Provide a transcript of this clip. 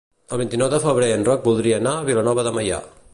El vint-i-nou de febrer en Roc voldria anar a Vilanova de Meià.